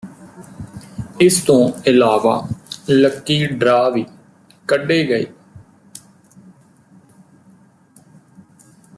ਇਸਤੋਂ ਇਲਾਵਾ lucky draw ਵੀ ਕੱਢੇ ਗਏ